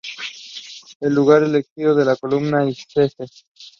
El lugar elegido es la comuna de Ixelles.